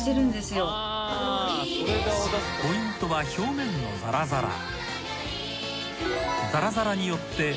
［ポイントは表面のザラザラ］